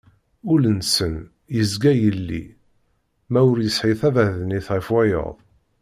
Ul-nsen yezga yelli, wa ur yesɛi tabaḍnit ɣef wayeḍ.